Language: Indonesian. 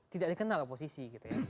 tidak dikenal oposisi